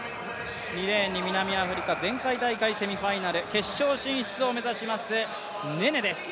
２レーンに南アフリカ前回大会セミファイナル、決勝進出を目指します、ネネです。